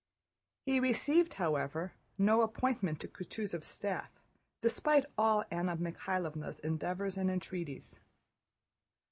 He received, however, no appointment to Kutúzov's staff despite all Anna Mikháylovna's endeavors and entreaties.